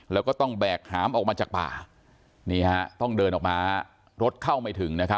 แล้วก็ต้องแบกหามออกมาจากป่าต้องเดินออกมารถเข้าไม่ถึง